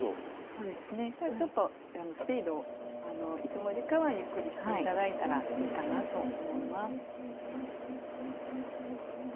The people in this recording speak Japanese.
そうですねじゃあちょっとスピードをいつもよりかはゆっくりして頂いたらいいかなと思います。